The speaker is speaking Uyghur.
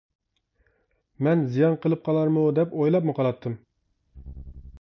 مەن زىيان قىلىپ قالارمۇ دەپ ئويلاپمۇ قالاتتىم.